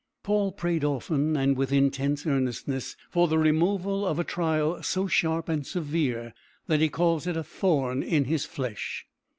Paul prayed often and with intense earnestness for the removal of a trial so sharp and severe that he calls it a thorn in his flesh.